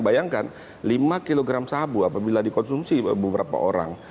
bayangkan lima kg sabu apabila dikonsumsi beberapa orang